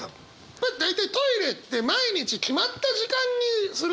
まあ大体トイレって毎日決まった時間にするものなんですよね大体。